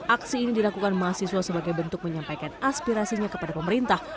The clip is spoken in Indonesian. aksi ini dilakukan mahasiswa sebagai bentuk menyampaikan aspirasinya kepada pemerintah